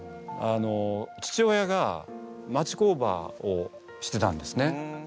父親が町工場をしてたんですね。